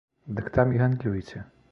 Дык там і гандлюйце!